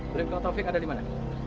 beritahu vick ada dimana